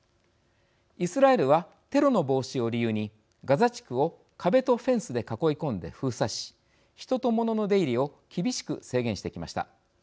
イスラエルはテロの防止を理由にガザ地区を壁とフェンスで囲い込んで封鎖し人とものの出入りを厳しく制限してきました。